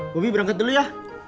bobby berangkat dulu ya